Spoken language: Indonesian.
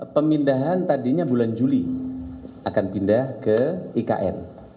pemindahan tadinya bulan juli akan pindah ke ikn